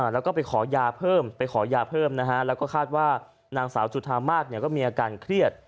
แล้วก็ไปขอยาเพิ่มแล้วก็คาดว่านางสาวจุธามาสก็มีอาการเครียด